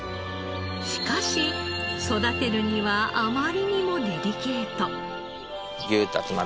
しかし育てるにはあまりにもデリケート。